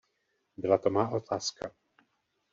Byla to má otázka.